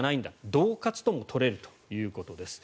どう喝とも取れるということです。